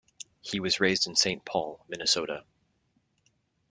He was raised in Saint Paul, Minnesota.